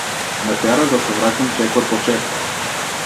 Ме тераш да се враќам чекор по чекор.